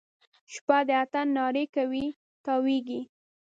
شپه د اتڼ نارې کوي تاویږي